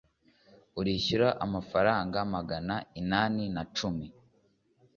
urishyura amafaranga magana inani na cumi